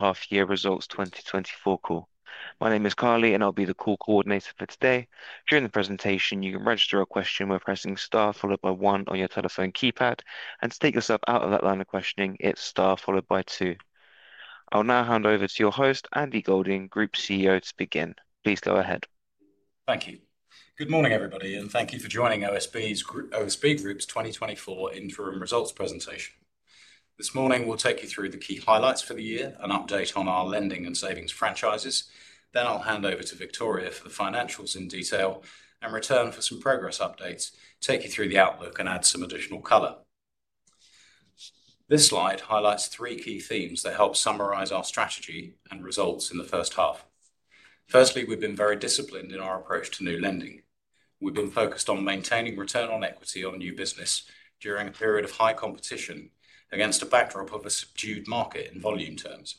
Half Year Results 2024 Call. My name is Carly, and I'll be the call coordinator for today. During the presentation, you can register a question by pressing star followed by one on your telephone keypad, and to take yourself out of that line of questioning, it's star followed by two. I'll now hand over to your host, Andy Golding, Group CEO, to begin. Please go ahead. Thank you. Good morning, everybody, and thank you for joining OSB Group's 2024 interim results presentation. This morning, we'll take you through the key highlights for the year, an update on our lending and savings franchises. Then I'll hand over to Victoria for the financials in detail, and return for some progress updates, take you through the outlook, and add some additional color. This slide highlights three key themes that help summarize our strategy and results in the first half. Firstly, we've been very disciplined in our approach to new lending. We've been focused on maintaining return on equity on new business during a period of high competition against a backdrop of a subdued market in volume terms.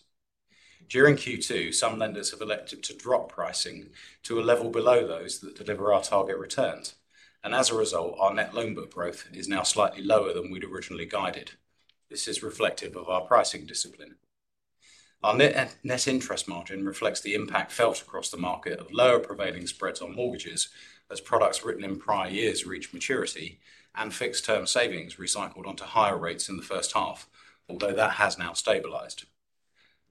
During Q2, some lenders have elected to drop pricing to a level below those that deliver our target returns, and as a result, our net loan book growth is now slightly lower than we'd originally guided. This is reflective of our pricing discipline. Our net, net interest margin reflects the impact felt across the market of lower prevailing spreads on mortgages as products written in prior years reach maturity, and fixed-term savings recycled onto higher rates in the first half, although that has now stabilized.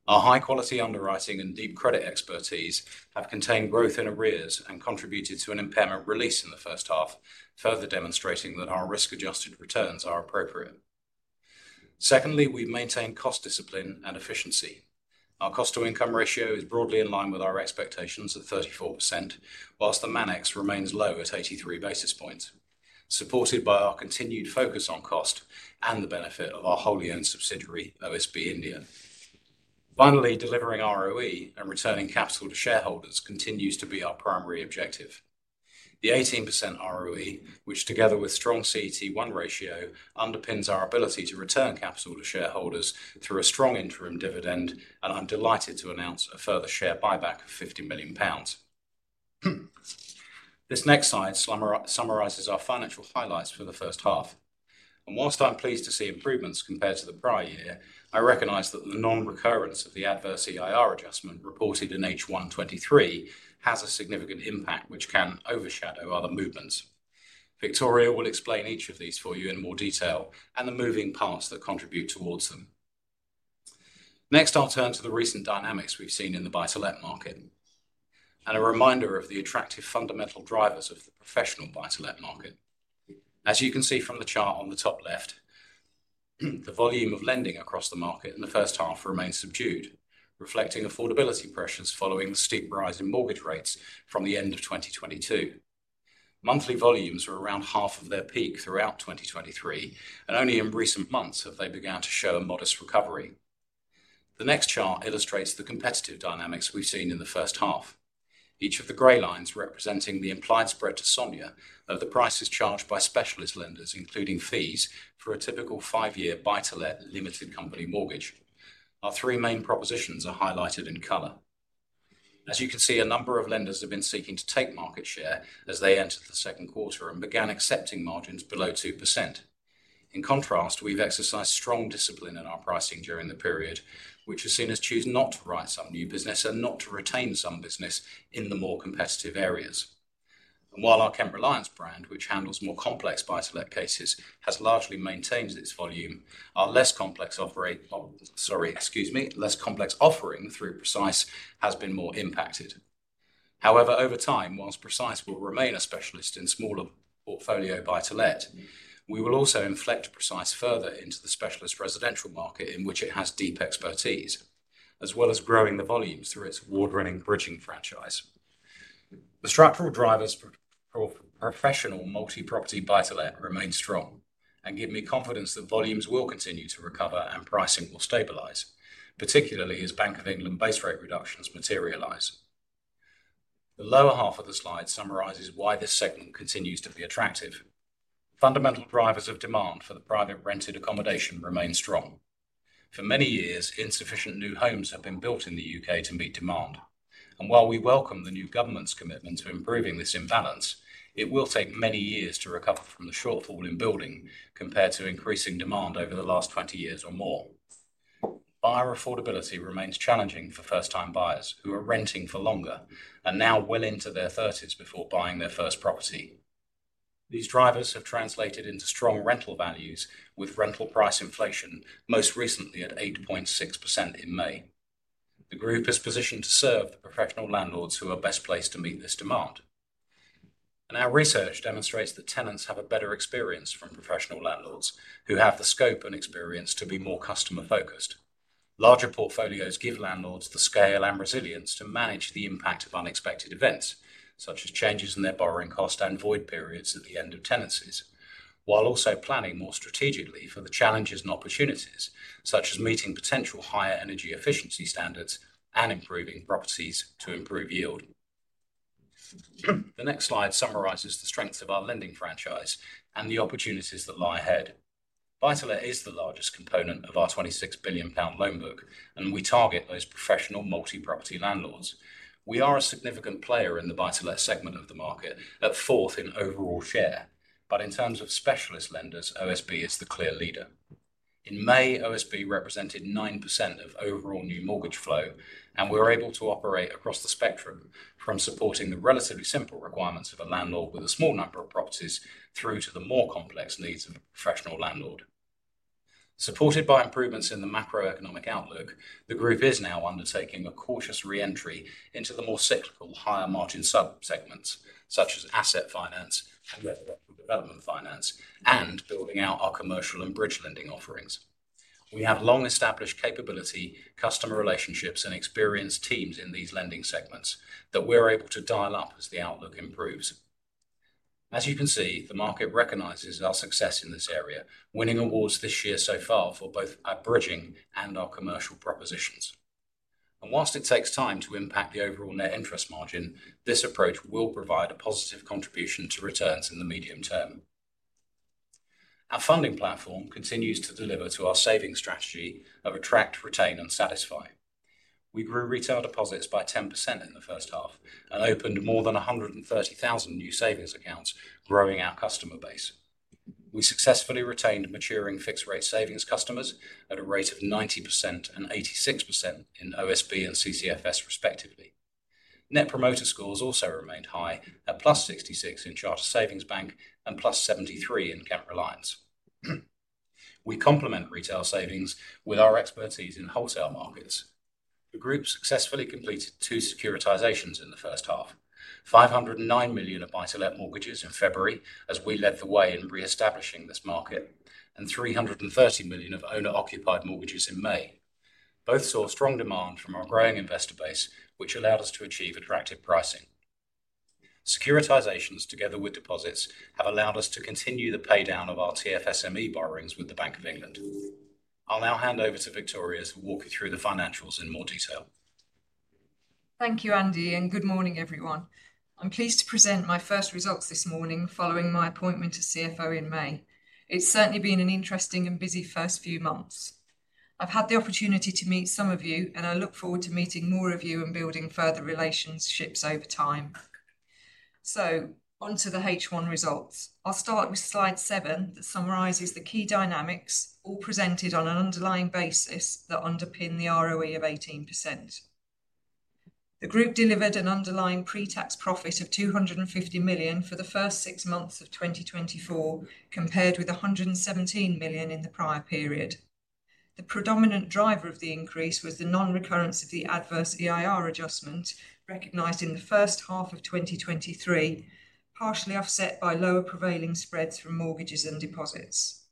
Our high-quality underwriting and deep credit expertise have contained growth in arrears and contributed to an impairment release in the first half, further demonstrating that our risk-adjusted returns are appropriate. Secondly, we've maintained cost discipline and efficiency. Our cost-to-income ratio is broadly in line with our expectations at 34%, while the Manex remains low at 83 basis points, supported by our continued focus on cost and the benefit of our wholly owned subsidiary, OSB India. Finally, delivering ROE and returning capital to shareholders continues to be our primary objective. The 18% ROE, which, together with strong CET1 ratio, underpins our ability to return capital to shareholders through a strong interim dividend, and I'm delighted to announce a further share buyback of 50 million pounds. This next slide summarizes our financial highlights for the first half. While I'm pleased to see improvements compared to the prior year, I recognize that the non-recurrence of the adverse EIR adjustment reported in H1 '23 has a significant impact which can overshadow other movements. Victoria will explain each of these for you in more detail and the moving parts that contribute towards them. Next, I'll turn to the recent dynamics we've seen in the buy-to-let market, and a reminder of the attractive fundamental drivers of the professional buy-to-let market. As you can see from the chart on the top left, the volume of lending across the market in the first half remains subdued, reflecting affordability pressures following the steep rise in mortgage rates from the end of 2022. Monthly volumes were around half of their peak throughout 2023, and only in recent months have they began to show a modest recovery. The next chart illustrates the competitive dynamics we've seen in the first half. Each of the gray lines representing the implied spread to SONIA of the prices charged by specialist lenders, including fees for a typical five-year buy-to-let limited company mortgage. Our three main propositions are highlighted in color. As you can see, a number of lenders have been seeking to take market share as they entered the second quarter and began accepting margins below 2%. In contrast, we've exercised strong discipline in our pricing during the period, which has seen us choose not to write some new business and not to retain some business in the more competitive areas. While our Kent Reliance brand, which handles more complex buy-to-let cases, has largely maintained its volume, our less complex offering through Precise has been more impacted. However, over time, whilst Precise will remain a specialist in smaller portfolio buy-to-let, we will also inflect Precise further into the specialist residential market in which it has deep expertise, as well as growing the volumes through its award-winning bridging franchise. The structural drivers for professional multi-property buy-to-let remain strong and give me confidence that volumes will continue to recover and pricing will stabilize, particularly as Bank of England base rate reductions materialize. The lower half of the slide summarizes why this segment continues to be attractive. Fundamental drivers of demand for the private rented accommodation remain strong. For many years, insufficient new homes have been built in the U.K. to meet demand, and while we welcome the new government's commitment to improving this imbalance, it will take many years to recover from the shortfall in building, compared to increasing demand over the last 20 years or more. Buyer affordability remains challenging for first-time buyers who are renting for longer and now well into their thirties before buying their first property. These drivers have translated into strong rental values, with rental price inflation most recently at 8.6% in May. The group is positioned to serve the professional landlords who are best placed to meet this demand. Our research demonstrates that tenants have a better experience from professional landlords who have the scope and experience to be more customer-focused. Larger portfolios give landlords the scale and resilience to manage the impact of unexpected events, such as changes in their borrowing cost and void periods at the end of tenancies, while also planning more strategically for the challenges and opportunities, such as meeting potential higher energy efficiency standards and improving properties to improve yield. The next slide summarizes the strengths of our lending franchise and the opportunities that lie ahead. Buy-to-Let is the largest component of our 26 billion pound loan book, and we target those professional multi-property landlords. We are a significant player in the buy-to-let segment of the market, at fourth in overall share. But in terms of specialist lenders, OSB is the clear leader. In May, OSB represented 9% of overall new mortgage flow, and we were able to operate across the spectrum, from supporting the relatively simple requirements of a landlord with a small number of properties, through to the more complex needs of a professional landlord. Supported by improvements in the macroeconomic outlook, the group is now undertaking a cautious re-entry into the more cyclical, higher margin sub-segments, such as asset finance and development finance, and building out our commercial and bridge lending offerings. We have long-established capability, customer relationships, and experienced teams in these lending segments that we're able to dial up as the outlook improves. As you can see, the market recognizes our success in this area, winning awards this year so far for both our bridging and our commercial propositions. While it takes time to impact the overall net interest margin, this approach will provide a positive contribution to returns in the medium term. Our funding platform continues to deliver to our savings strategy of attract, retain, and satisfy. We grew retail deposits by 10% in the first half and opened more than 130,000 new savings accounts, growing our customer base. We successfully retained maturing fixed-rate savings customers at a rate of 90% and 86% in OSB and CCFS, respectively. Net Promoter Scores also remained high at +66 in Charter Savings Bank and +73 in Kent Reliance. We complement retail savings with our expertise in wholesale markets. The group successfully completed two securitizations in the first half, 509 million of buy-to-let mortgages in February, as we led the way in reestablishing this market, and 330 million of owner-occupied mortgages in May. Both saw strong demand from our growing investor base, which allowed us to achieve attractive pricing. Securitizations, together with deposits, have allowed us to continue the paydown of our TFSME borrowings with the Bank of England. I'll now hand over to Victoria, who will walk you through the financials in more detail. Thank you, Andy, and good morning, everyone. I'm pleased to present my first results this morning following my appointment as CFO in May. It's certainly been an interesting and busy first few months. I've had the opportunity to meet some of you, and I look forward to meeting more of you and building further relationships over time. So onto the H1 results. I'll start with slide seven that summarizes the key dynamics, all presented on an underlying basis that underpin the ROE of 18%. The group delivered an underlying pre-tax profit of 250 million for the first six months of 2024, compared with 117 million in the prior period. The predominant driver of the increase was the non-recurrence of the adverse EIR adjustment, recognized in the first half of 2023, partially offset by lower prevailing spreads from mortgages and deposits.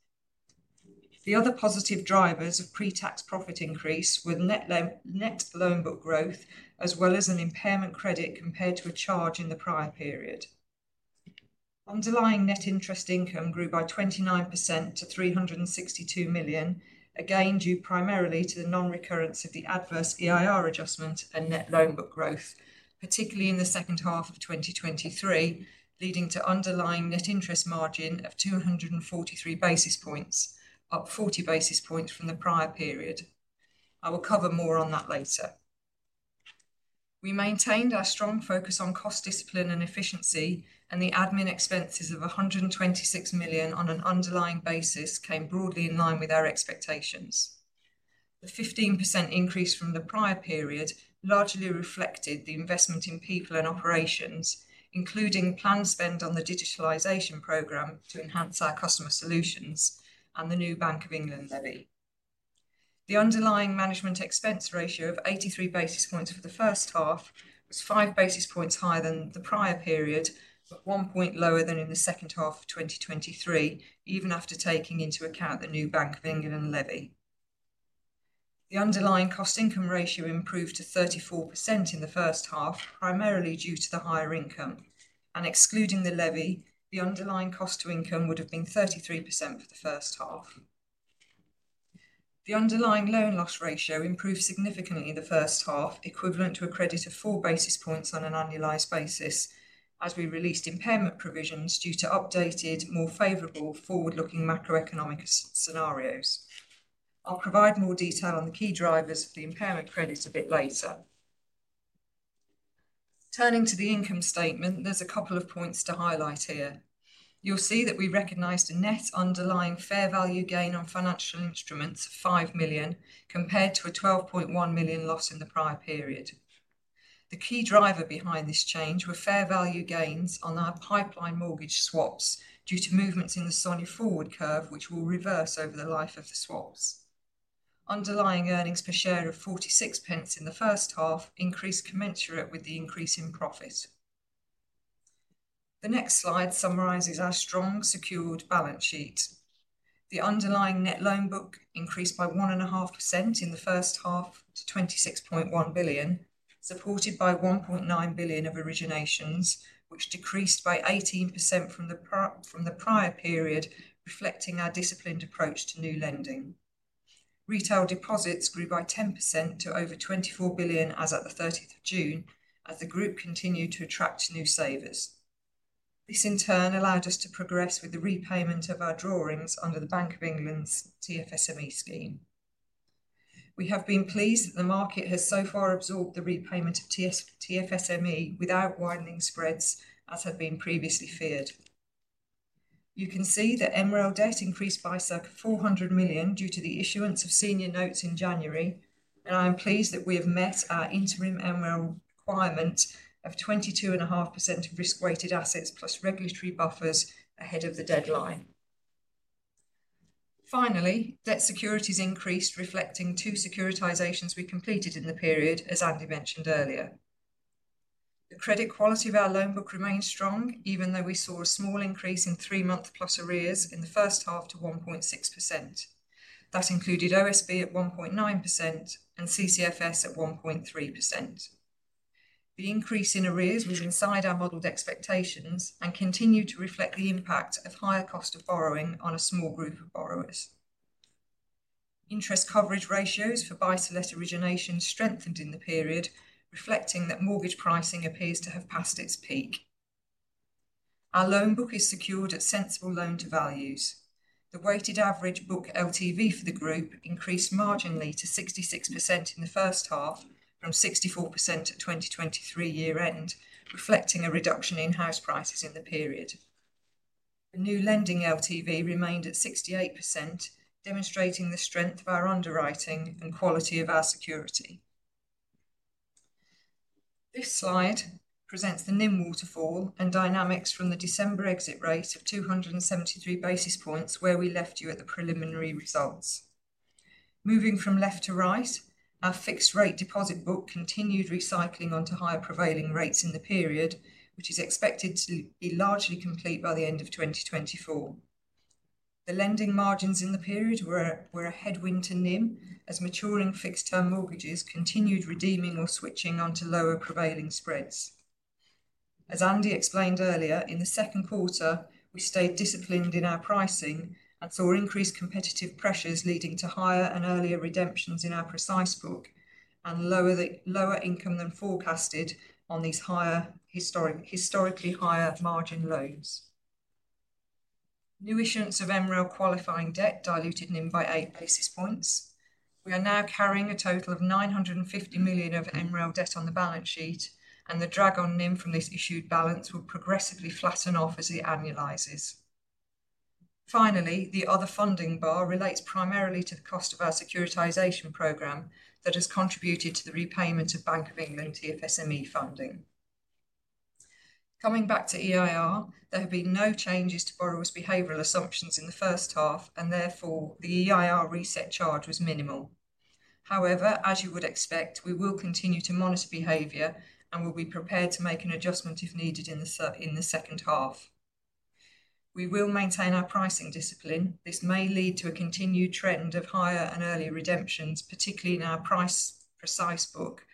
The other positive drivers of pre-tax profit increase were net loan book growth, as well as an impairment credit compared to a charge in the prior period. Underlying net interest income grew by 29% to 362 million, again, due primarily to the non-recurrence of the adverse EIR adjustment and net loan book growth, particularly in the second half of 2023, leading to underlying net interest margin of 243 basis points, up 40 basis points from the prior period. I will cover more on that later. We maintained our strong focus on cost discipline and efficiency, and the admin expenses of 126 million on an underlying basis came broadly in line with our expectations. The 15% increase from the prior period largely reflected the investment in people and operations, including planned spend on the digitalization program to enhance our customer solutions and the new Bank of England levy. The underlying management expense ratio of 83 basis points for the first half was 5 basis points higher than the prior period, but 1 point lower than in the second half of 2023, even after taking into account the new Bank of England levy. The underlying cost-income ratio improved to 34% in the first half, primarily due to the higher income. Excluding the levy, the underlying cost to income would have been 33% for the first half. The underlying loan loss ratio improved significantly in the first half, equivalent to a credit of 4 basis points on an annualized basis, as we released impairment provisions due to updated, more favorable forward-looking macroeconomic scenarios. I'll provide more detail on the key drivers of the impairment credit a bit later. Turning to the income statement, there's a couple of points to highlight here. You'll see that we recognized a net underlying fair value gain on financial instruments of 5 million, compared to a 12.1 million loss in the prior period. The key driver behind this change were fair value gains on our pipeline mortgage swaps, due to movements in the SONIA forward curve, which will reverse over the life of the swaps. Underlying earnings per share of 0.46 in the first half increased commensurate with the increase in profit. The next slide summarizes our strong, secured balance sheet. The underlying net loan book increased by 1.5% in the first half to 26.1 billion, supported by 1.9 billion of originations, which decreased by 18% from the prior period, reflecting our disciplined approach to new lending. Retail deposits grew by 10% to over 24 billion as at the 30th of June, as the group continued to attract new savers. This, in turn, allowed us to progress with the repayment of our drawings under the Bank of England's TFSME scheme. We have been pleased that the market has so far absorbed the repayment of TFSME without widening spreads as had been previously feared. You can see that MREL debt increased by circa 400 million due to the issuance of senior notes in January, and I am pleased that we have met our interim MREL requirement of 22.5% of risk-weighted assets plus regulatory buffers ahead of the deadline. Finally, debt securities increased, reflecting 2 securitizations we completed in the period, as Andy mentioned earlier. The credit quality of our loan book remains strong, even though we saw a small increase in three-month plus arrears in the first half to 1.6%. That included OSB at 1.9% and CCFS at 1.3%. The increase in arrears was inside our modeled expectations and continued to reflect the impact of higher cost of borrowing on a small group of borrowers. Interest coverage ratios for buy-to-let origination strengthened in the period, reflecting that mortgage pricing appears to have passed its peak. Our loan book is secured at sensible loan to values. The weighted average book LTV for the group increased marginally to 66% in the first half, from 64% at 2023 year end, reflecting a reduction in house prices in the period. The new lending LTV remained at 68%, demonstrating the strength of our underwriting and quality of our security. This slide presents the NIM waterfall and dynamics from the December exit rate of 273 basis points, where we left you at the preliminary results. Moving from left to right, our fixed rate deposit book continued recycling onto higher prevailing rates in the period, which is expected to be largely complete by the end of 2024. The lending margins in the period were a headwind to NIM, as maturing fixed-term mortgages continued redeeming or switching onto lower prevailing spreads. As Andy explained earlier, in the second quarter, we stayed disciplined in our pricing and saw increased competitive pressures, leading to higher and earlier redemptions in our Precise book and lower income than forecasted on these historically higher margin loans. New issuance of MREL qualifying debt diluted NIM by eight basis points. We are now carrying a total of 950 million of MREL debt on the balance sheet, and the drag on NIM from this issued balance will progressively flatten off as it annualizes. Finally, the other funding bar relates primarily to the cost of our securitization program that has contributed to the repayment of Bank of England TFSME funding. Coming back to EIR, there have been no changes to borrowers' behavioral assumptions in the first half, and therefore, the EIR reset charge was minimal. However, as you would expect, we will continue to monitor behavior and will be prepared to make an adjustment if needed in the second half. We will maintain our pricing discipline. This may lead to a continued trend of higher and early redemptions, particularly in our Precise book,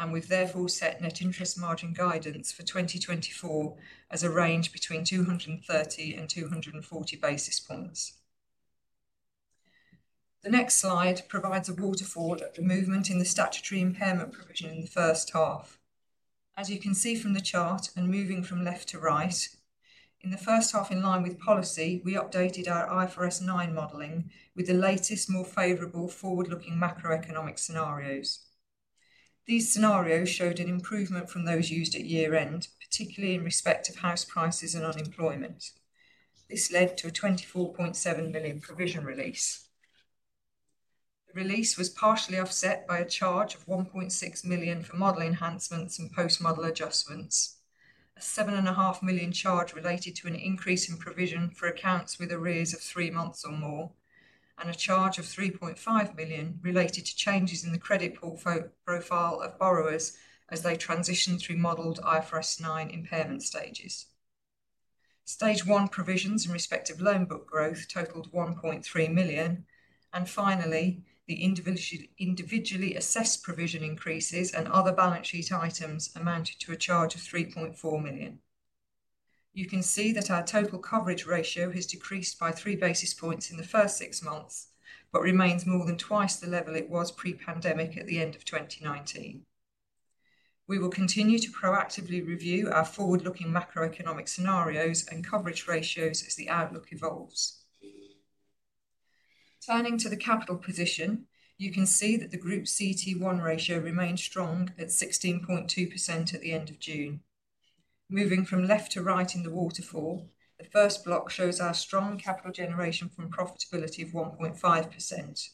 and we've therefore set net interest margin guidance for 2024 as a range between 230 and 240 basis points. The next slide provides a waterfall of the movement in the statutory impairment provision in the first half. As you can see from the, and moving from left to right, in the first half, in line with policy, we updated our IFRS 9 modeling with the latest, more favorable forward-looking macroeconomic scenarios. These scenarios showed an improvement from those used at year-end, particularly in respect of house prices and unemployment. This led to a 24.7 million provision release. The release was partially offset by a charge of 1.6 million for model enhancements and post-model adjustments. A 7.5 million charge related to an increase in provision for accounts with arrears of three months or more, and a charge of 3.5 million related to changes in the credit profile of borrowers as they transition through modeled IFRS 9 impairment stages. Stage one provisions in respect of loan book growth totaled 1.3 million, and finally, the individually assessed provision increases and other balance sheet items amounted to a charge of 3.4 million. You can see that our total coverage ratio has decreased by three basis points in the first six months, but remains more than twice the level it was pre-pandemic at the end of 2019. We will continue to proactively review our forward-looking macroeconomic scenarios and coverage ratios as the outlook evolves. Turning to the capital position, you can see that the group's CET1 ratio remains strong at 16.2% at the end of June. Moving from left to right in the waterfall, the first block shows our strong capital generation from profitability of 1.5%.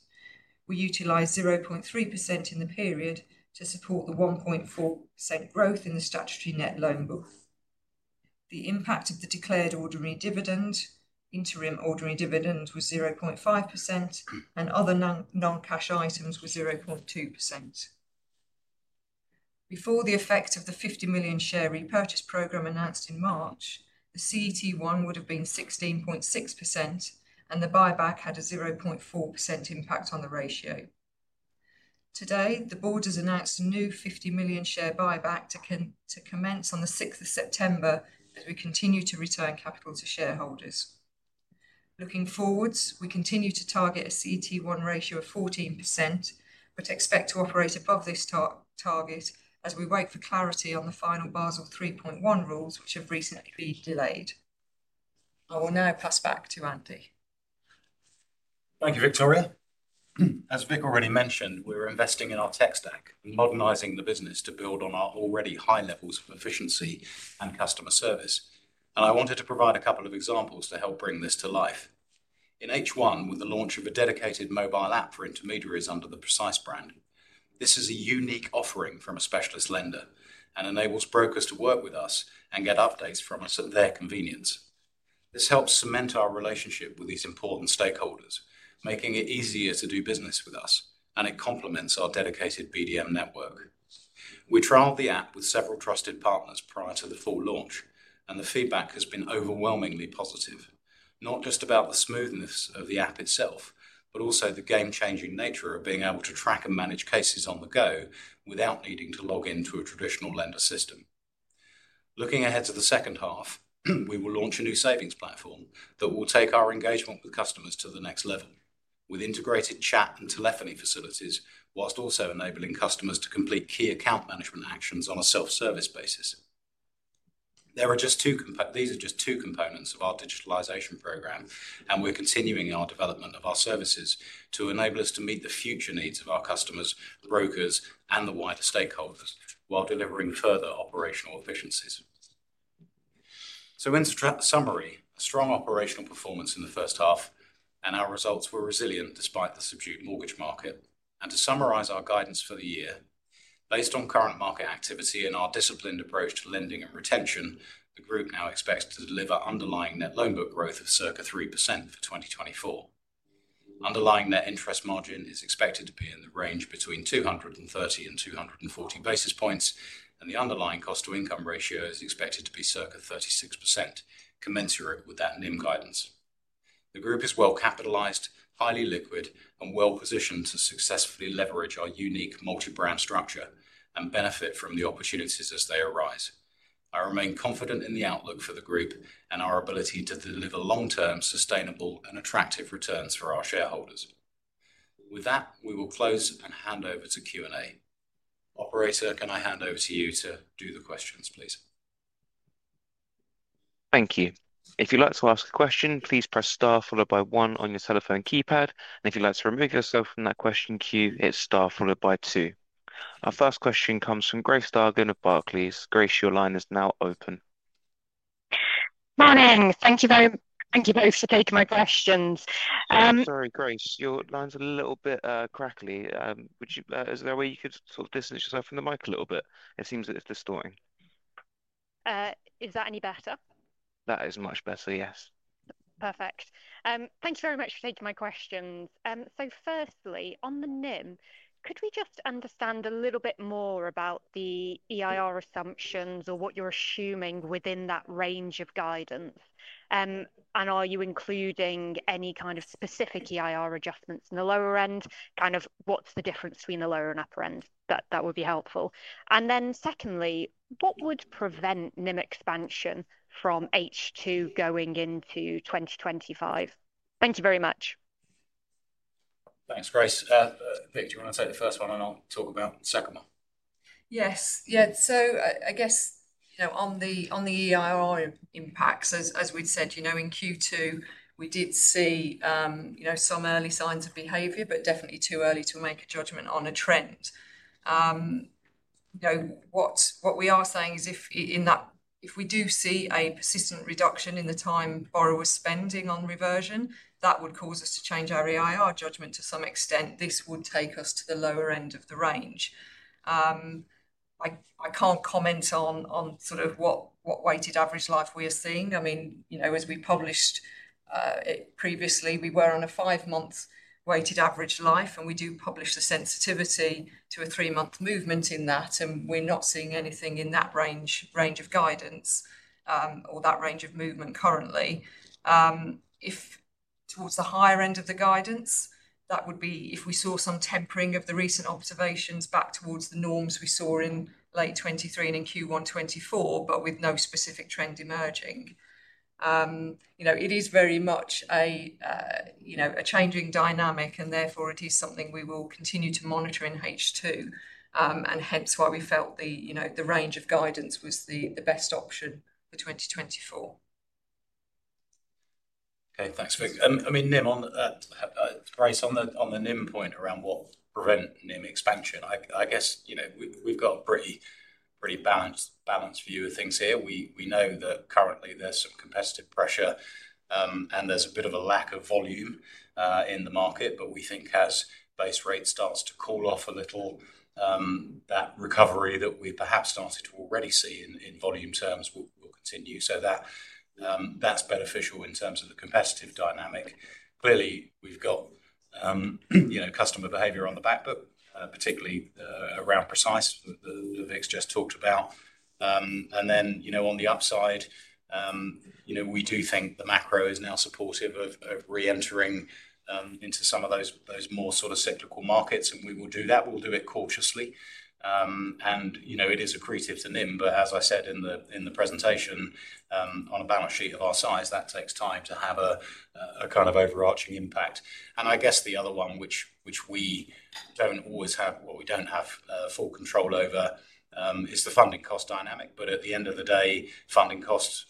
We utilized 0.3% in the period to support the 1.4% growth in the statutory net loan book. The impact of the declared ordinary dividend, interim ordinary dividend was 0.5%, and other non-cash items were 0.2%. Before the effect of the 50 million share repurchase program announced in March, the CET1 would have been 16.6%, and the buyback had a 0.4% impact on the ratio. Today, the board has announced a new 50 million share buyback to commence on the 6th of September as we continue to return capital to shareholders. Looking forwards, we continue to target a CET1 ratio of 14%, but expect to operate above this target as we wait for clarity on the final Basel 3.1 rules, which have recently been delayed. I will now pass back to Andy. Thank you, Victoria. As Vic already mentioned, we're investing in our tech stack and modernizing the business to build on our already high levels of efficiency and customer service, and I wanted to provide a couple of examples to help bring this to life. In H1, with the launch of a dedicated mobile app for intermediaries under the Precise brand, this is a unique offering from a specialist lender and enables brokers to work with us and get updates from us at their convenience. This helps cement our relationship with these important stakeholders, making it easier to do business with us, and it complements our dedicated BDM network. We trialed the app with several trusted partners prior to the full launch, and the feedback has been overwhelmingly positive, not just about the smoothness of the app itself, but also the game-changing nature of being able to track and manage cases on the go without needing to log in to a traditional lender system. Looking ahead to the second half, we will launch a new savings platform that will take our engagement with customers to the next level, with integrated chat and telephony facilities, whilst also enabling customers to complete key account management actions on a self-service basis. These are just two components of our digitalization program, and we're continuing our development of our services to enable us to meet the future needs of our customers, brokers, and the wider stakeholders, while delivering further operational efficiencies. In summary, a strong operational performance in the first half, and our results were resilient despite the subdued mortgage market. To summarize our guidance for the year, based on current market activity and our disciplined approach to lending and retention, the group now expects to deliver underlying net loan book growth of circa 3% for 2024. Underlying net interest margin is expected to be in the range between 230 and 240 basis points, and the underlying cost to income ratio is expected to be circa 36%, commensurate with that NIM guidance. The group is well capitalized, highly liquid, and well positioned to successfully leverage our unique multi-brand structure and benefit from the opportunities as they arise. I remain confident in the outlook for the group and our ability to deliver long-term, sustainable, and attractive returns for our shareholders. With that, we will close and hand over to Q&A. Operator, can I hand over to you to do the questions, please? Thank you. If you'd like to ask a question, please press star followed by one on your telephone keypad, and if you'd like to remove yourself from that question queue, it's star followed by two. Our first question comes from Grace Dargan of Barclays. Grace, your line is now open. Morning. Thank you both for taking my questions. Sorry, Grace, your line's a little bit crackly. Would you, is there a way you could sort of distance yourself from the mic a little bit? It seems that it's distorting. Is that any better? That is much better, yes. Perfect. Thank you very much for taking my questions. So firstly, on the NIM, could we just understand a little bit more about the EIR assumptions or what you're assuming within that range of guidance? And are you including any kind of specific EIR adjustments in the lower end? Kind of what's the difference between the lower and upper end? That would be helpful. And then secondly, what would prevent NIM expansion from H2 going into 2025? Thank you very much. Thanks, Grace. Vic, do you want to take the first one, and I'll talk about the second one? Yes. Yeah, so I guess, you know, on the EIR impacts, as we'd said, you know, in Q2, we did see, you know, some early signs of behavior, but definitely too early to make a judgment on a trend. You know, what we are saying is if in that, if we do see a persistent reduction in the time borrowers spending on reversion, that would cause us to change our EIR judgment to some extent. This would take us to the lower end of the range. I can't comment on sort of what weighted average life we are seeing. I mean, you know, as we published, it previously, we were on a 5-month weighted average life, and we do publish the sensitivity to a 3-month movement in that, and we're not seeing anything in that range of guidance, or that range of movement currently. If towards the higher end of the guidance, that would be if we saw some tempering of the recent observations back towards the norms we saw in late 2023 and in Q1 2024, but with no specific trend emerging. You know, it is very much a, you know, a changing dynamic, and therefore it is something we will continue to monitor in H2, and hence why we felt the, you know, the range of guidance was the best option for 2024. Okay, thanks, Vic. I mean, NIM on the, Grace, on the NIM point around what will prevent NIM expansion, I guess, you know, we've got a pretty balanced view of things here. We know that currently there's some competitive pressure, and there's a bit of a lack of volume in the market. But we think as base rate starts to cool off a little, that recovery that we perhaps started to already see in volume terms will continue. So that, that's beneficial in terms of the competitive dynamic. Clearly, we've got, you know, customer behavior on the back foot, particularly, around Precise, that Vic's just talked about. And then, you know, on the upside, you know, we do think the macro is now supportive of reentering into some of those more sort of cyclical markets, and we will do that. We'll do it cautiously. And, you know, it is accretive to NIM, but as I said in the presentation, on a balance sheet of our size, that takes time to have a kind of overarching impact. And I guess the other one, which we don't always have, or we don't have full control over, is the funding cost dynamic. But at the end of the day, funding costs,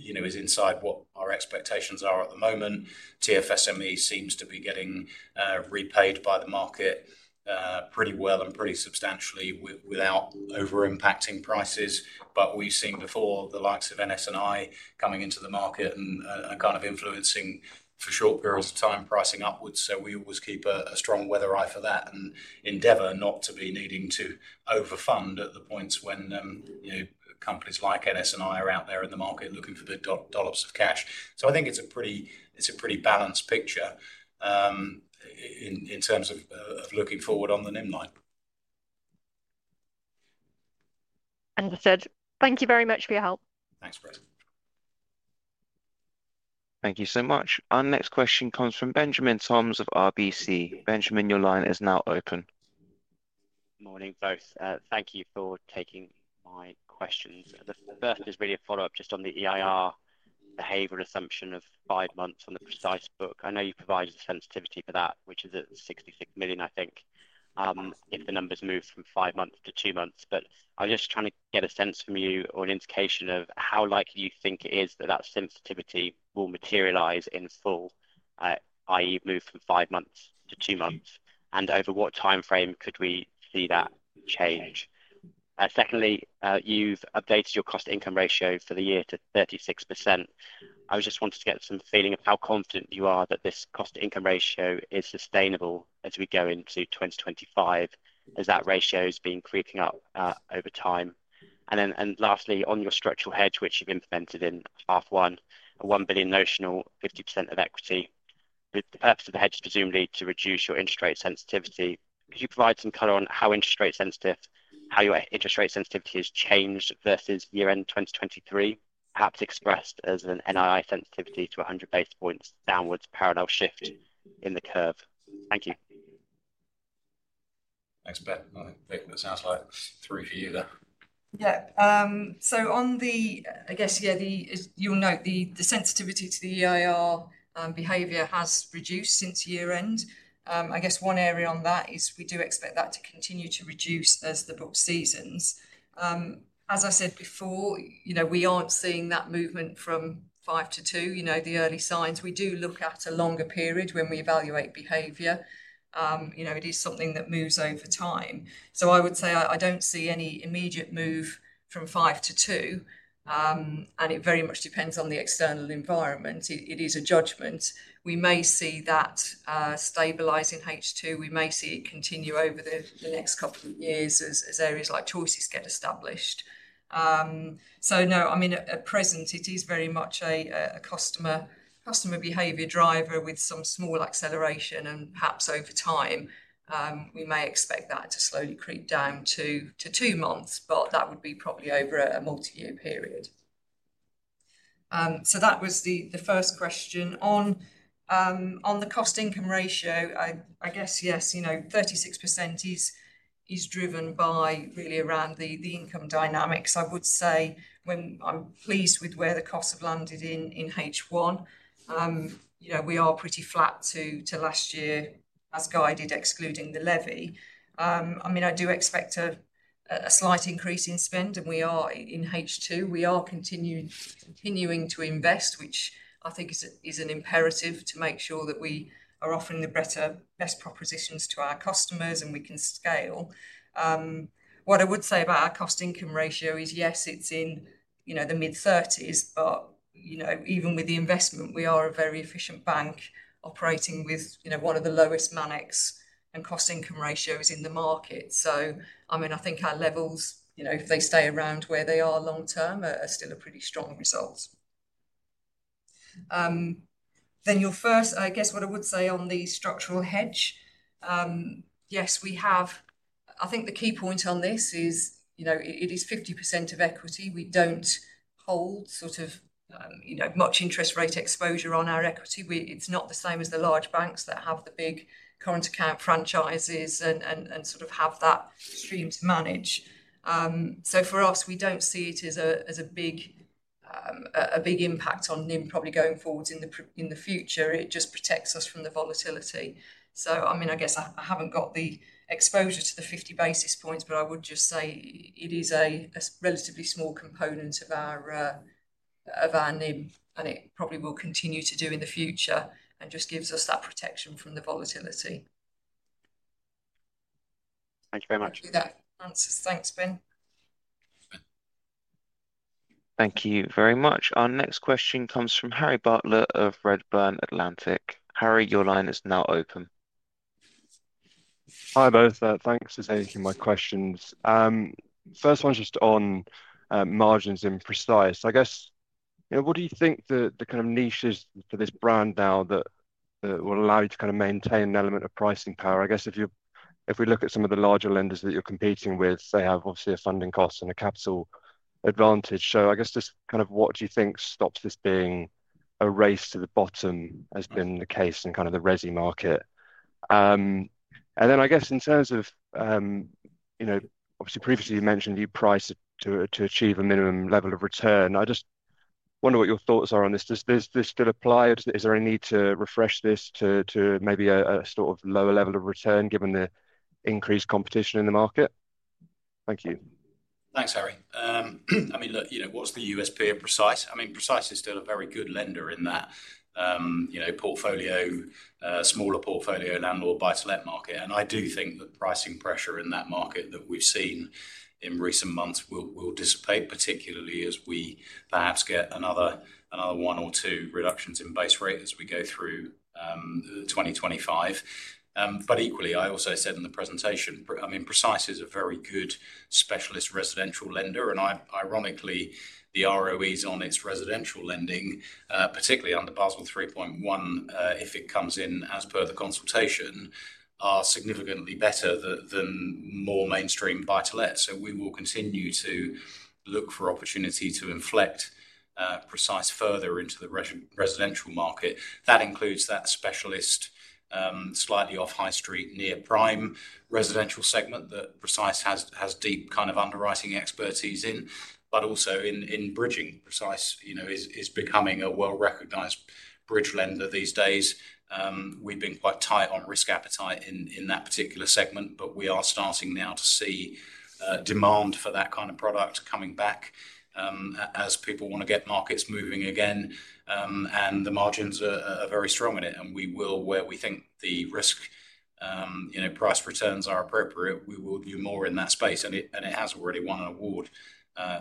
you know, is inside what our expectations are at the moment. TFSME seems to be getting repaid by the market pretty well and pretty substantially without over-impacting prices. But we've seen before the likes of NS&I coming into the market and kind of influencing, for short periods of time, pricing upwards, so we always keep a strong weather eye for that and endeavor not to be needing to overfund at the points when, you know, companies like NS&I are out there in the market looking for big dollops of cash. So I think it's a pretty, it's a pretty balanced picture, in terms of looking forward on the NIM line. Understood. Thank you very much for your help. Thanks, Grace. Thank you so much. Our next question comes from Benjamin Toms of RBC. Benjamin, your line is now open. Morning, folks. Thank you for taking my questions. The first is really a follow-up just on the EIR behavioral assumption of 5 months on the Precise book. I know you provided a sensitivity for that, which is at 66 million, I think, if the numbers move from 5 months to 2 months. But I'm just trying to get a sense from you or an indication of how likely you think it is that that sensitivity will materialize in full, i.e., move from 5 months to 2 months, and over what timeframe could we see that change? Secondly, you've updated your cost-to-income ratio for the year to 36%. I was just wanted to get some feeling of how confident you are that this cost-to-income ratio is sustainable as we go into 2025, as that ratio has been creeping up, over time. Then, lastly, on your structural hedge, which you've implemented in half one, a 1 billion notional, 50% of equity, the purpose of the hedge presumably to reduce your interest rate sensitivity. Could you provide some color on how interest rate sensitive, how your interest rate sensitivity has changed versus year-end 2023, perhaps expressed as an NII sensitivity to 100 basis points downwards parallel shift in the curve? Thank you. Thanks, Ben. Well, Vic, it sounds like three for you there. Yeah. So on the, I guess, yeah, the, the sensitivity to the EIR, behavior has reduced since year-end. I guess one area on that is we do expect that to continue to reduce as the book seasons. As I said before, you know, we aren't seeing that movement from 5 to 2, you know, the early signs. We do look at a longer period when we evaluate behavior. You know, it is something that moves over time. So I would say I, I don't see any immediate move from 5 to 2, and it very much depends on the external environment. It, it is a judgment. We may see that, stabilize in H2, we may see it continue over the, the next couple of years as, as areas like choices get established. So no, I mean, at present it is very much a customer behavior driver with some small acceleration and perhaps over time, we may expect that to slowly creep down to 2 months, but that would be probably over a multi-year period. So that was the first question. On the cost-income ratio, I guess, yes, you know, 36% is driven by really around the income dynamics. I would say when I'm pleased with where the costs have landed in H1, you know, we are pretty flat to last year, as guided, excluding the levy. I mean, I do expect a slight increase in spend, and we are in H2. We are continuing to invest, which I think is an imperative to make sure that we are offering the better, best propositions to our customers, and we can scale. What I would say about our cost-income ratio is, yes, it's in, you know, the mid-thirties, but, you know, even with the investment, we are a very efficient bank operating with, you know, one of the lowest Manex and cost-income ratios in the market. So, I mean, I think our levels, you know, if they stay around where they are long term, are still a pretty strong result. Then your first. I guess what I would say on the structural hedge, yes, we have. I think the key point on this is, you know, it is 50% of equity. We don't hold sort of, you know, much interest rate exposure on our equity. It's not the same as the large banks that have the big current account franchises and, and, and sort of have that stream to manage. So for us, we don't see it as a big impact on NIM probably going forward in the future. It just protects us from the volatility. So, I mean, I guess I haven't got the exposure to the 50 basis points, but I would just say it is a relatively small component of our NIM, and it probably will continue to do in the future and just gives us that protection from the volatility. Thank you very much. Hope that answers. Thanks, Ben. Thank you very much. Our next question comes from Harry Bartlett of Redburn Atlantic. Harry, your line is now open. Hi, both. Thanks for taking my questions. First one's just on margins in Precise. I guess you know, what do you think the kind of niches for this brand now that will allow you to kind of maintain an element of pricing power? I guess if we look at some of the larger lenders that you're competing with, they have obviously a funding cost and a capital advantage. So I guess just kind of what do you think stops this being a race to the bottom, as been the case in kind of the resi market? And then I guess in terms of you know, obviously previously you mentioned you price it to achieve a minimum level of return. I just wonder what your thoughts are on this. Does this still apply or is there a need to refresh this to maybe a sort of lower level of return, given the increased competition in the market? Thank you. Thanks, Harry. I mean, look, you know, what's the USP of Precise? I mean, Precise is still a very good lender in that, you know, portfolio, smaller portfolio landlord buy-to-let market. And I do think the pricing pressure in that market that we've seen in recent months will, will dissipate, particularly as we perhaps get another, another 1 or 2 reductions in base rate as we go through, 2025. But equally, I also said in the presentation, I mean, Precise is a very good specialist residential lender, and ironically, the ROEs on its residential lending, particularly under Basel 3.1, if it comes in as per the consultation, are significantly better than, than more mainstream buy-to-let. So we will continue to look for opportunity to inflect, Precise further into the residential market. That includes that specialist, slightly off high street, near prime residential segment that Precise has deep kind of underwriting expertise in, but also in bridging. Precise, you know, is becoming a well-recognized bridge lender these days. We've been quite tight on risk appetite in that particular segment, but we are starting now to see demand for that kind of product coming back, as people want to get markets moving again. And the margins are very strong in it, and we will, where we think the risk, you know, price returns are appropriate, we will do more in that space. And it has already won an award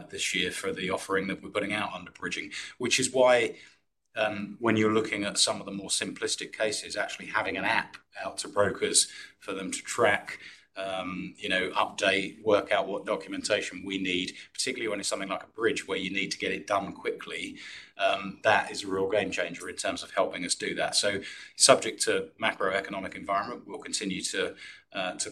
this year for the offering that we're putting out under bridging. Which is why, when you're looking at some of the more simplistic cases, actually having an app out to brokers for them to track, you know, update, work out what documentation we need, particularly when it's something like a bridge, where you need to get it done quickly, that is a real game changer in terms of helping us do that. So subject to macroeconomic environment, we'll continue to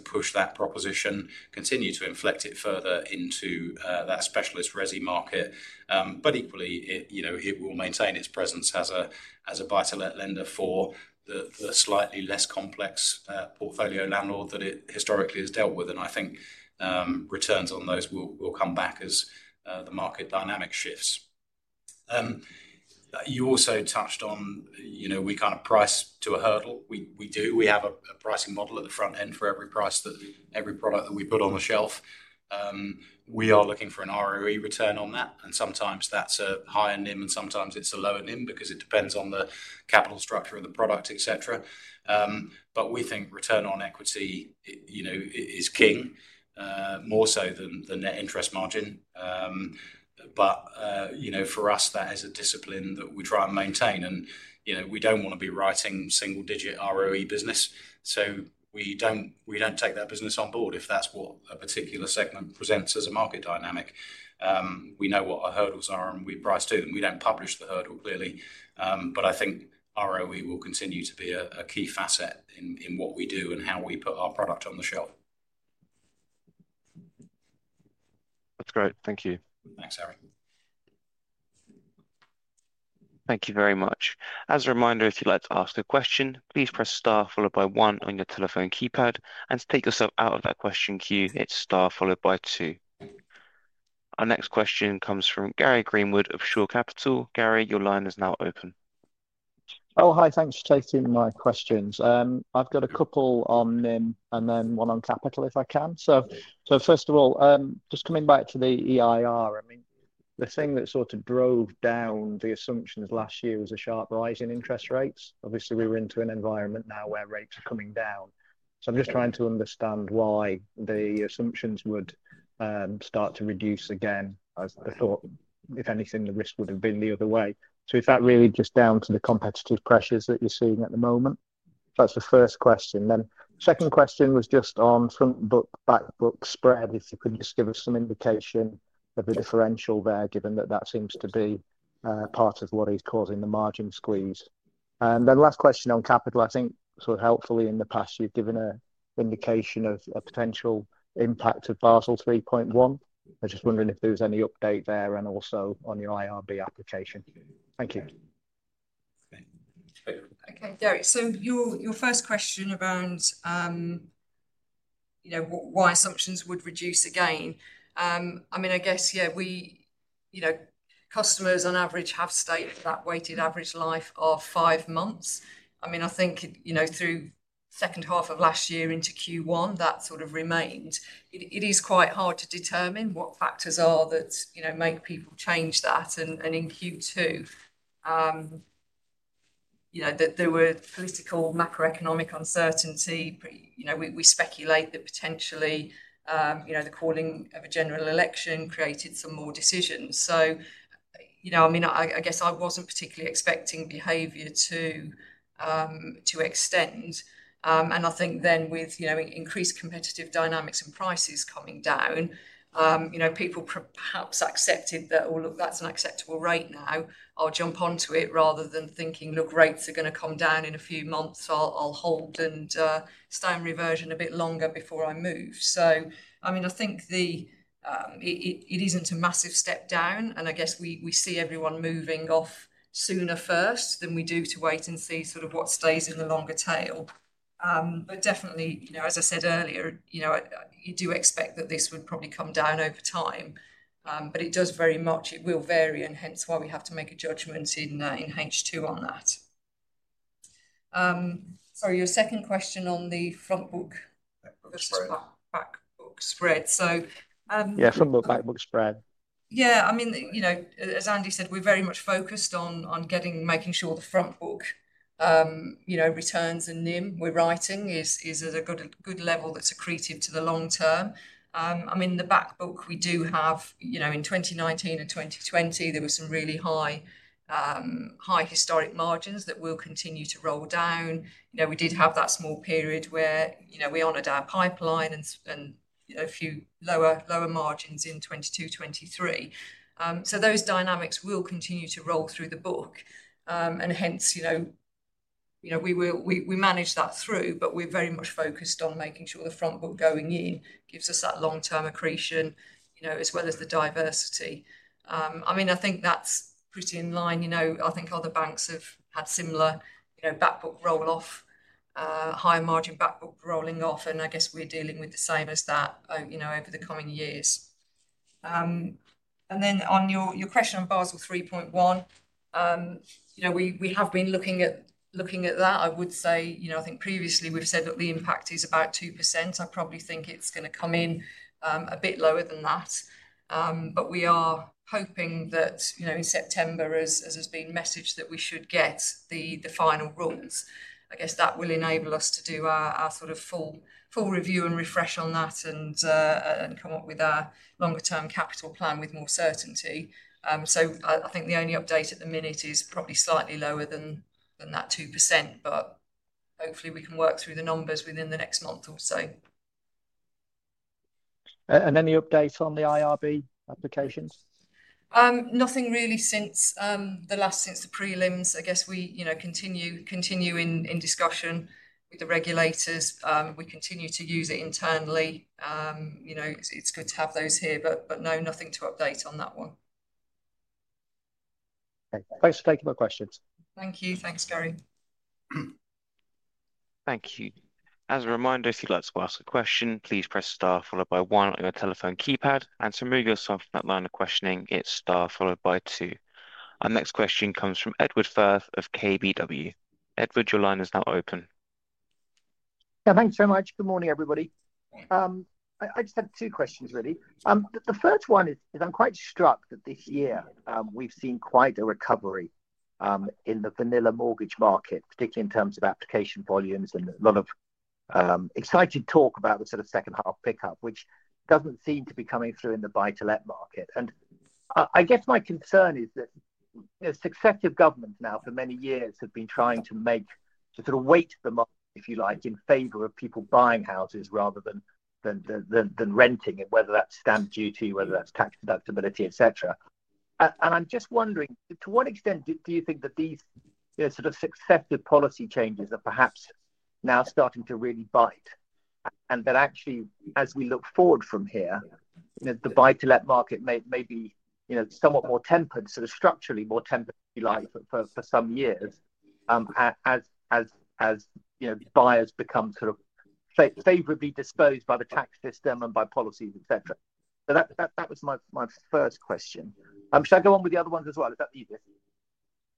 push that proposition, continue to inflect it further into that specialist resi market. But equally, it, you know, it will maintain its presence as a, as a buy-to-let lender for the the slightly less complex portfolio landlord that it historically has dealt with. And I think, returns on those will come back as the market dynamic shifts. You also touched on, you know, we kind of price to a hurdle. We do. We have a pricing model at the front end for every product that we put on the shelf. We are looking for an ROE return on that, and sometimes that's a higher NIM, and sometimes it's a lower NIM, because it depends on the capital structure of the product, et cetera. But we think return on equity is king, more so than the net interest margin. You know, for us, that is a discipline that we try and maintain, and, you know, we don't want to be writing single-digit ROE business. So we don't take that business on board, if that's what a particular segment presents as a market dynamic. We know what our hurdles are, and we price to them. We don't publish the hurdle, clearly. But I think ROE will continue to be a key facet in what we do and how we put our product on the shelf. That's great. Thank you. Thanks, Harry. Thank you very much. As a reminder, if you'd like to ask a question, please press star followed by one on your telephone keypad. To take yourself out of that question queue, it's star followed by two. Our next question comes from Gary Greenwood of Shore Capital. Gary, your line is now open. Oh, hi. Thanks for taking my questions. I've got a couple on NIM and then one on capital, if I can. So first of all, just coming back to the EIR, I mean, the thing that sort of drove down the assumptions last year was a sharp rise in interest rates. Obviously, we're into an environment now where rates are coming down. So I'm just trying to understand why the assumptions would start to reduce again, as I thought, if anything, the risk would have been the other way. So is that really just down to the competitive pressures that you're seeing at the moment? That's the first question. Then second question was just on front book, back book spread, if you could just give us some indication of the differential there, given that that seems to be part of what is causing the margin squeeze. And then last question on capital, I think sort of helpfully in the past, you've given an indication of a potential impact of Basel 3.1. I'm just wondering if there's any update there and also on your IRB application. Thank you. Okay. Okay, Gary, so your first question around, you know, why assumptions would reduce again, I mean, I guess, yeah, we. You know, customers on average have stated that weighted average life of five months. I mean, I think, you know, through second half of last year into Q1, that sort of remained. It is quite hard to determine what factors are that, you know, make people change that. And in Q2, you know, there were political macroeconomic uncertainty. Pre- You know, we speculate that potentially, you know, the calling of a general election created some more decisions. So, you know, I mean, I guess I wasn't particularly expecting behavior to extend. And I think then with, you know, increased competitive dynamics and prices coming down-... You know, people perhaps accepted that, oh, look, that's an acceptable rate now. I'll jump onto it rather than thinking, look, rates are gonna come down in a few months, so I'll hold and stay in reversion a bit longer before I move. So, I mean, I think it isn't a massive step down, and I guess we see everyone moving off sooner first than we do to wait and see sort of what stays in the longer tail. But definitely, you know, as I said earlier, you know, you do expect that this would probably come down over time. But it does very much, it will vary, and hence why we have to make a judgment in H2 on that. Sorry, your second question on the front book-. So, Yeah, front book, back book spread. Yeah, I mean, you know, as Andy said, we're very much focused on making sure the front book we're writing is at a good level that's accretive to the long term. I mean, the back book we do have, you know, in 2019 and 2020, there were some really high historic margins that will continue to roll down. You know, we did have that small period where, you know, we honored our pipeline and, you know, a few lower margins in 2022, 2023. So those dynamics will continue to roll through the book. And hence, you know, you know, we will- we, we manage that through, but we're very much focused on making sure the front book going in gives us that long-term accretion, you know, as well as the diversity. I mean, I think that's pretty in line. You know, I think other banks have had similar, you know, back book roll-off, high margin back book rolling off, and I guess we're dealing with the same as that, you know, over the coming years. And then on your, your question on Basel 3.1, you know, we, we have been looking at, looking at that. I would say, you know, I think previously we've said that the impact is about 2%. I probably think it's gonna come in, a bit lower than that. But we are hoping that, you know, in September, as has been messaged, that we should get the final rules. I guess that will enable us to do our sort of full review and refresh on that, and come up with a longer-term capital plan with more certainty. So I think the only update at the minute is probably slightly lower than that 2%, but hopefully we can work through the numbers within the next month or so. And any update on the IRB applications? Nothing really since the last since the prelims. I guess we, you know, continue in discussion with the regulators. We continue to use it internally. You know, it's good to have those here, but no, nothing to update on that one. Okay. Thanks for taking my questions. Thank you. Thanks, Gary. Thank you. As a reminder, if you'd like to ask a question, please press Star followed by one on your telephone keypad, and to remove yourself from that line of questioning, it's star followed by two. Our next question comes from Edward Firth of KBW. Edward, your line is now open. Yeah, thanks so much. Good morning, everybody. I just have two questions, really. The first one is, I'm quite struck that this year, we've seen quite a recovery in the vanilla mortgage market, particularly in terms of application volumes and a lot of exciting talk about the sort of second-half pickup, which doesn't seem to be coming through in the buy-to-let market. And I guess my concern is that, you know, successive governments now for many years have been trying to make, to sort of weigh the market, if you like, in favor of people buying houses rather than renting, and whether that's stamp duty, whether that's tax deductibility, et cetera. And I'm just wondering, to what extent do you think that these sort of successive policy changes are perhaps now starting to really bite, and that actually, as we look forward from here, you know, the buy-to-let market may be, you know, somewhat more tempered, sort of structurally more tempered, if you like, for some years, as you know, buyers become sort of favorably disposed by the tax system and by policies, et cetera? So that was my first question. Should I go on with the other ones as well? Is that easier?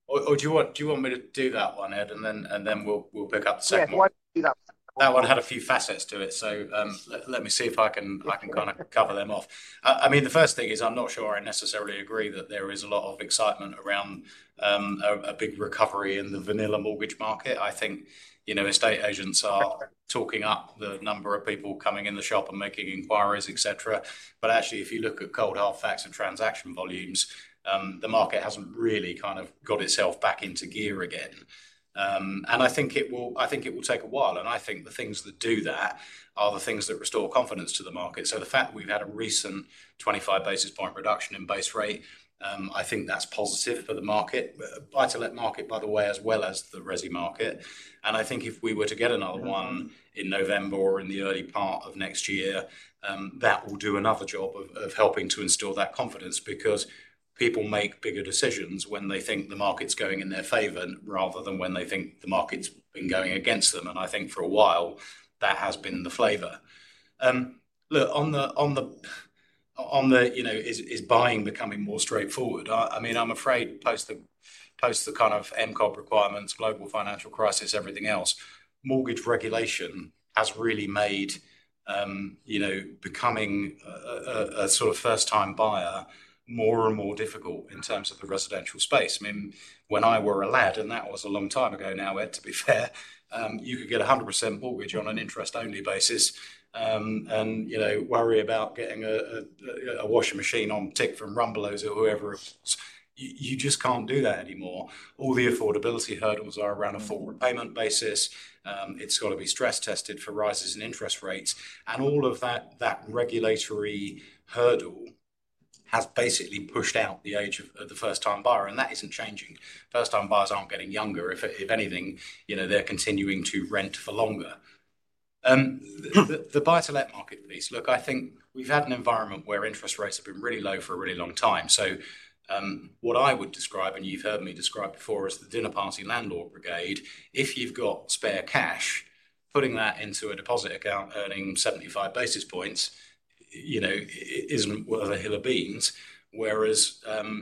Oh, or do you want, do you want me to do that one, Ed, and then, and then we'll, we'll pick up the second one? Yeah, why don't you do that one. That one had a few facets to it, so let me see if I can kind of cover them off. I mean, the first thing is, I'm not sure I necessarily agree that there is a lot of excitement around a big recovery in the vanilla mortgage market. I think, you know, estate agents are talking up the number of people coming in the shop and making inquiries, et cetera. But actually, if you look at cold, hard facts and transaction volumes, the market hasn't really kind of got itself back into gear again. And I think it will, I think it will take a while, and I think the things that do that are the things that restore confidence to the market. So the fact that we've had a recent 25 basis point reduction in base rate, I think that's positive for the market. Buy-to-let market, by the way, as well as the resi market, and I think if we were to get another one in November or in the early part of next year, that will do another job of helping to instill that confidence. Because people make bigger decisions when they think the market's going in their favor, rather than when they think the market's been going against them, and I think for a while, that has been the flavor. Look, on the, you know, is buying becoming more straightforward? I mean, I'm afraid post the kind of MCOB requirements, global financial crisis, everything else, mortgage regulation has really made, you know, becoming a sort of first-time buyer more and more difficult in terms of the residential space. I mean, when I were a lad, and that was a long time ago now, Ed, to be fair, you could get a 100% mortgage on an interest-only basis, and, you know, worry about getting a washing machine on tick from Rumbelows or whoever it was. You just can't do that anymore. All the affordability hurdles are around a full repayment basis. It's got to be stress tested for rises in interest rates, and all of that, that regulatory hurdle has basically pushed out the age of the first-time buyer, and that isn't changing. First-time buyers aren't getting younger. If, if anything, you know, they're continuing to rent for longer. The buy-to-let marketplace, look, I think we've had an environment where interest rates have been really low for a really long time. So, what I would describe, and you've heard me describe before, is the dinner party landlord brigade. If you've got spare cash, putting that into a deposit account earning 75 basis points, you know, isn't worth a hill of beans. Whereas,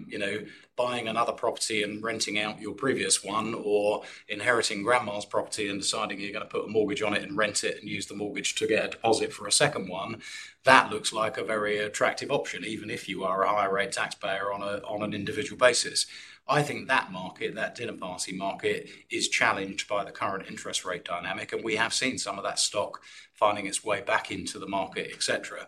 you know, buying another property and renting out your previous one, or inheriting grandma's property and deciding you're gonna put a mortgage on it and rent it, and use the mortgage to get a deposit for a second one, that looks like a very attractive option, even if you are a high-rate taxpayer on an individual basis. I think that market, that dinner party market, is challenged by the current interest rate dynamic, and we have seen some of that stock finding its way back into the market, et cetera.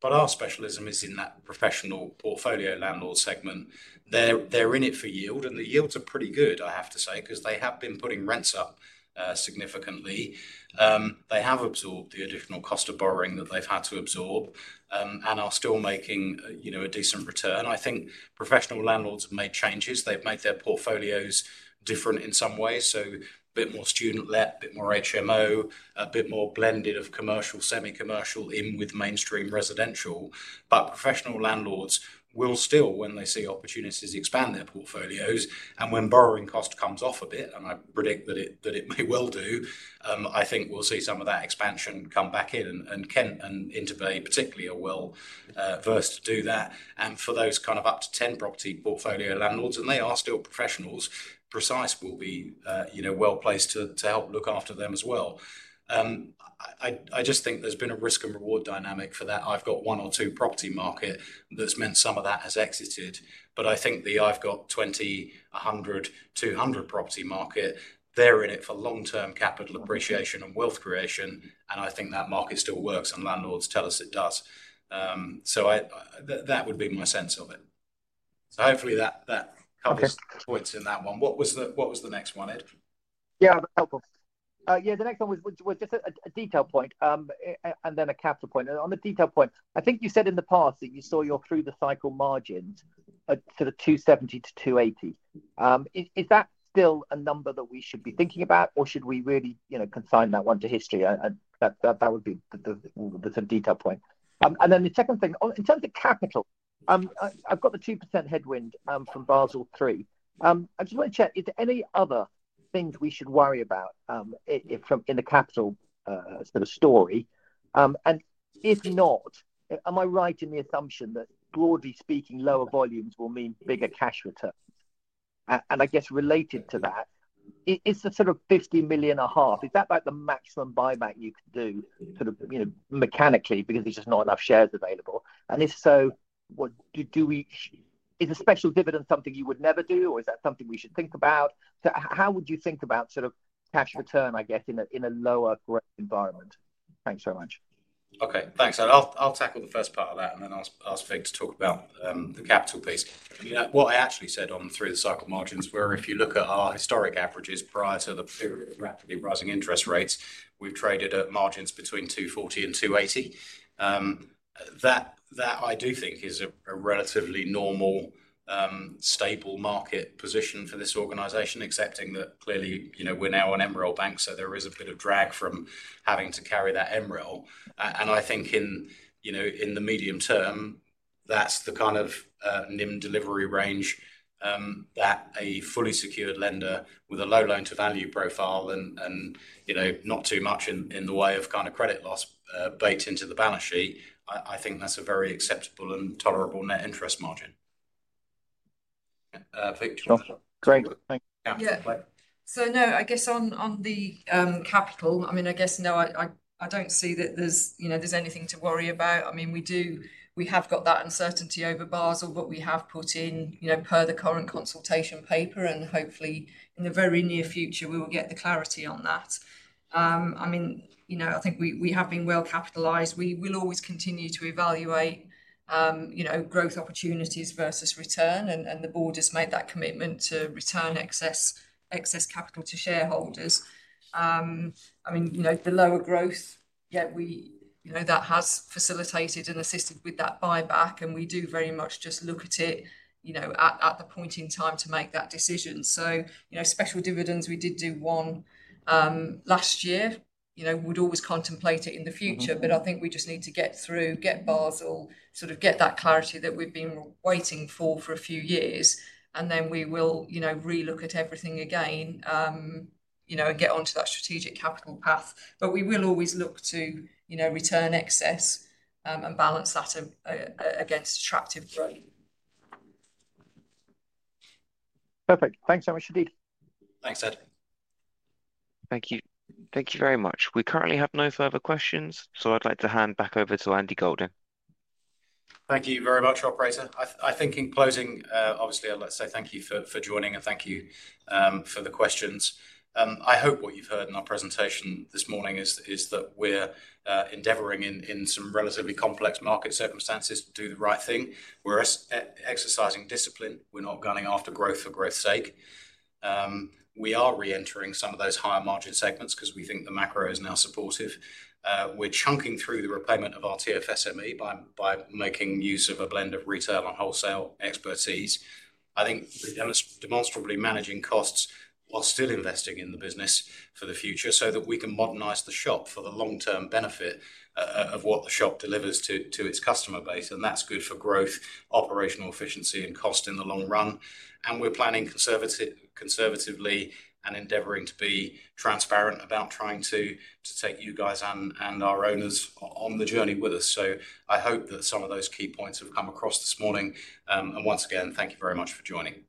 But our specialism is in that professional portfolio landlord segment. They're in it for yield, and the yields are pretty good, I have to say, 'cause they have been putting rents up significantly. They have absorbed the additional cost of borrowing that they've had to absorb, and are still making, you know, a decent return. I think professional landlords have made changes. They've made their portfolios different in some way, so a bit more student let, a bit more HMO, a bit more blended of commercial, semi-commercial in with mainstream residential. But professional landlords will still, when they see opportunities, expand their portfolios, and when borrowing cost comes off a bit, and I predict that it, that it may well do, I think we'll see some of that expansion come back in and, and Kent and InterBay, particularly, are well versed to do that. And for those kind of up to 10 property portfolio landlords, and they are still professionals, Precise will be, you know, well placed to, to help look after them as well. I, I, I just think there's been a risk and reward dynamic for that. I've got one or two property market that's meant some of that has exited, but I think the I've got 20, 100, 200 property market, they're in it for long-term capital appreciation and wealth creation, and I think that market still works, and landlords tell us it does. So that, that would be my sense of it. So hopefully that, that covers- Okay... points in that one. What was the, what was the next one, Ed? Yeah, helpful. Yeah, the next one was just a detail point and then a capital point. On the detail point, I think you said in the past that you saw your through-the-cycle margins sort of 270-280. Is that still a number that we should be thinking about, or should we really, you know, consign that one to history? And that would be the sort of detail point. And then the second thing, in terms of capital, I've got the 2% headwind from Basel 3. I just want to check, is there any other things we should worry about from the capital sort of story? And if not, am I right in the assumption that broadly speaking, lower volumes will mean bigger cash returns? And I guess related to that, is the sort of 50.5 million, is that like the maximum buyback you could do, sort of, you know, mechanically because there's just not enough shares available? And if so, what do we-- Is a special dividend something you would never do, or is that something we should think about? So how would you think about sort of cash return, I guess, in a lower growth environment? Thanks so much. Okay, thanks. I'll tackle the first part of that, and then I'll ask Vic to talk about the capital piece. You know, what I actually said on through the cycle margins, where if you look at our historic averages prior to the period of rapidly rising interest rates, we've traded at margins between 240 and 280. That I do think is a relatively normal stable market position for this organization, accepting that clearly, you know, we're now an MREL bank, so there is a bit of drag from having to carry that MREL. And I think in, you know, in the medium term, that's the kind of NIM delivery range that a fully secured lender with a low loan-to-value profile and, you know, not too much in the way of kind of credit loss baked into the balance sheet, I think that's a very acceptable and tolerable net interest margin. Vic, do you want to- So no, I guess on the capital, I mean, I guess, no, I don't see that there's, you know, there's anything to worry about. I mean, we have got that uncertainty over Basel, but we have put in, you know, per the current consultation paper, and hopefully in the very near future, we will get the clarity on that. I mean, you know, I think we have been well capitalized. We will always continue to evaluate, you know, growth opportunities versus return, and the board has made that commitment to return excess capital to shareholders. I mean, you know, the lower growth, yet we, you know, that has facilitated and assisted with that buyback, and we do very much just look at it, you know, at the point in time to make that decision. So, you know, special dividends, we did do one, last year. You know, we'd always contemplate it in the future- Mm-hmm. But I think we just need to get through, get Basel, sort of get that clarity that we've been waiting for, for a few years, and then we will, you know, re-look at everything again, you know, and get onto that strategic capital path. But we will always look to, you know, return excess, and balance that against attractive growth. Perfect. Thanks so much, indeed. Thanks, Ed. Thank you. Thank you very much. We currently have no further questions, so I'd like to hand back over to Andy Golding. Thank you very much, operator. I think in closing, obviously I'd like to say thank you for joining and thank you for the questions. I hope what you've heard in our presentation this morning is that we're endeavoring in some relatively complex market circumstances to do the right thing. We're exercising discipline. We're not gunning after growth for growth's sake. We are reentering some of those higher margin segments because we think the macro is now supportive. We're chunking through the repayment of our TFSME by making use of a blend of retail and wholesale expertise. I think demonstrably managing costs while still investing in the business for the future, so that we can modernize the shop for the long-term benefit of what the shop delivers to its customer base, and that's good for growth, operational efficiency, and cost in the long run. And we're planning conservatively and endeavoring to be transparent about trying to take you guys and our owners on the journey with us. So I hope that some of those key points have come across this morning. And once again, thank you very much for joining.